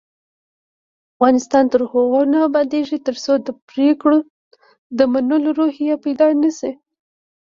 افغانستان تر هغو نه ابادیږي، ترڅو د پریکړو د منلو روحیه پیدا نشي.